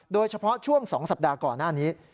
โดยเฉพาะช่วง๒สัปดาห์ก่อนหน้านี้